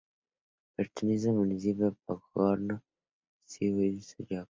Pertenece al municipio Podgorno-Siniujinskoye.